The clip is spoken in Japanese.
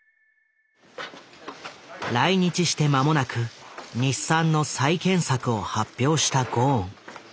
来日して間もなく日産の再建策を発表したゴーン。